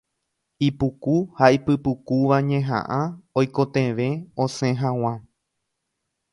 Ipuku ha ipypukúva ñehaʼã oikotevẽ osẽ haḡua.